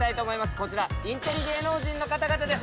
こちらインテリ芸能人の方々です。